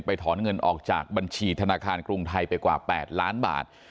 ถอนเงินออกจากบัญชีธนาคารกรุงไทยไปกว่า๘ล้านบาท